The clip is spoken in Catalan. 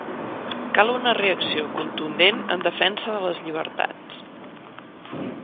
Cal una reacció contundent en defensa de les llibertats.